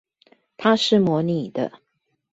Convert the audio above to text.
他是模擬的